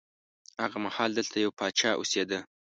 هغه مهال دلته یو پاچا اوسېده.